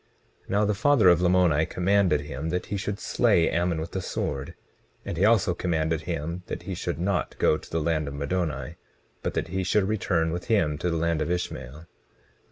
20:14 Now the father of Lamoni commanded him that he should slay Ammon with the sword. And he also commanded him that he should not go to the land of Middoni, but that he should return with him to the land of Ishmael.